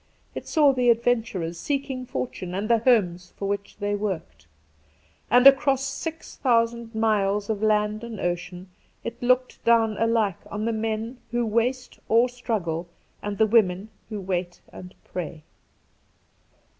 It saw the adventurers seeking fortune and the homes for which they worked. Add across six thousand miles of land and ocean it looked down alike on the men who waste or struggle and the women who wait and pray.